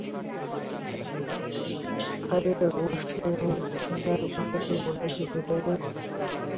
আরে ও সেই মেয়ে যার কথা তুই বলেছিলি, তাই না?